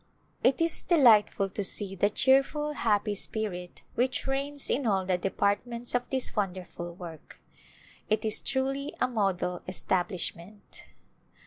It is delightful to see the cheerful, happy spirit which reigns in all the departments of this wonderful work. It is truly a model establishment.